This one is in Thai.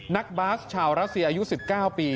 บาสชาวรัสเซียอายุ๑๙ปี